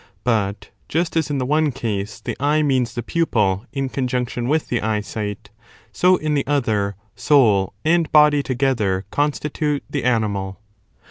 But, just as in the one case the eye means the pupil in conjunction with the eyesight, so in the other soul and body together constitute the animal.